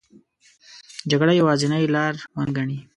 جګړه یوازینې لار ونه ګڼي.